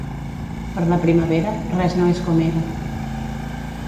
Per la primavera, res no és com era.